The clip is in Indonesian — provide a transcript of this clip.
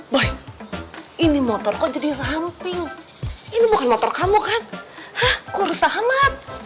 boy ini motor kok jadi ramping ini bukan motor kamu kan hah kurus amat